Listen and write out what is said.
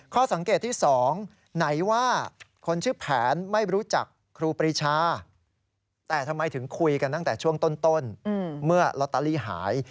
ข้อสังเกตที่๒ไหนว่าคนชื่อแผนไม่รู้จักครูปรีชาแต่ทำไมถึงคุยกันตั้งแต่ช่วงต้นเมื่อลอตเตอรี่หาย